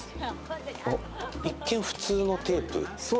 一見、普物のテープ。